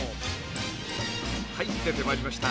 はい出てまいりました。